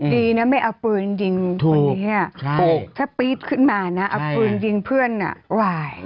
ดีนะไม่เอาปืนยิงคนนี้ถ้าปี๊ดขึ้นมานะเอาปืนยิงเพื่อนไหว